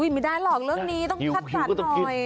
ไม่ได้หรอกเรื่องนี้ต้องคัดสรรหน่อย